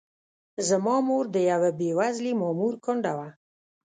زما مور د یوه بې وزلي مامور کونډه وه.